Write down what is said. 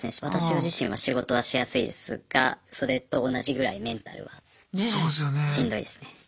私自身は仕事はしやすいですがそれと同じぐらいメンタルはしんどいですね。